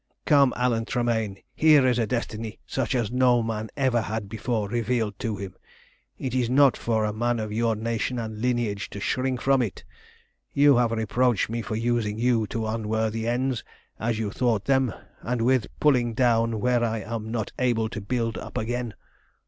"Come, Alan Tremayne! here is a destiny such as no man ever had before revealed to him. It is not for a man of your nation and lineage to shrink from it. You have reproached me for using you to unworthy ends, as you thought them, and with pulling down where I am not able to build up again.